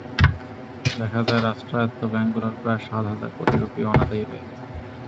দেখা যায়, রাষ্ট্রায়ত্ত ব্যাংকগুলোর প্রায় সাত হাজার কোটি রুপি অনাদায়ি রয়ে গেছে।